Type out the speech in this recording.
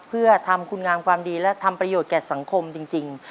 เพื่อทำคุณงามความดีและทำประโยชน์แก่สังคมจริง